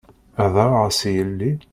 Heḍṛeɣ-as i yelli.